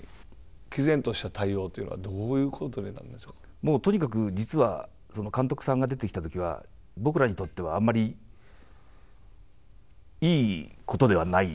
もうとにかく実は監督さんが出てきたときは僕らにとってはあまりいいことではない。